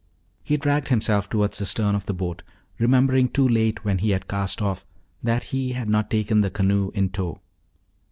He dragged himself toward the stern of the boat, remembering too late, when he had cast off, that he had not taken the canoe in tow.